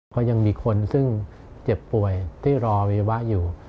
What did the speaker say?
เพราะยังมีคนซึ่งเจ็บป่วยที่รอวัยวะอยู่